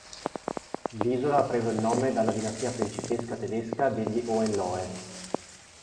L'isola ha preso il nome dalla dinastia principesca tedesca degli Hohenlohe.